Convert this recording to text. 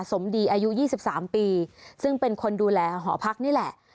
สมดีอายุ๒๓ปีซึ่งเป็นคนดูแลหอพักนี่แหละ